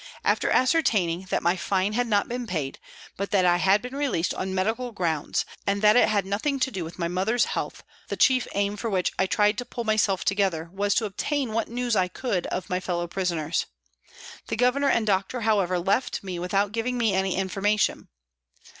After ascertaining that my fine had not been paid, but that I had been released on medical grounds, and that it had nothing to do with my mother's health, the chief aim for which I tried to pull myself together was to obtain what news I could of my fellow prisoners. The Governor and doctor, however, left me without giving me any information.